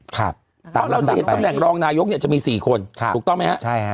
เพราะเราจะเห็นตำแหน่งรองนายกจะมี๔คนถูกต้องไหมครับ